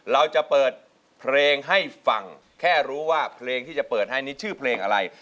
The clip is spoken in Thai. เราจะเปิดเพลงให้ฟังแค่รู้ว่าเพลงที่จะเปิดให้นี่ชื่อเพลงอะไร